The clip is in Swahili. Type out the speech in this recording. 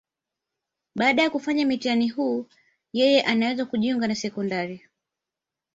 Baada ya kufanya mtihani huu, yeye anaweza kujiunga na sekondari.